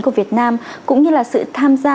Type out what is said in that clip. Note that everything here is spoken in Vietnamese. của việt nam cũng như là sự tham gia